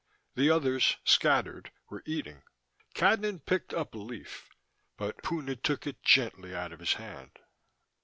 The others, scattered, were eating. Cadnan picked up a leaf, but Puna took it gently out of his hand.